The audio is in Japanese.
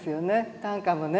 短歌もね。